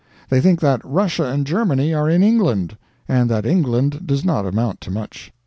They think that Russia and Germany are in England, and that England does not amount to much.